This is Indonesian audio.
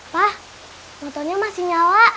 pak motonya masih nyala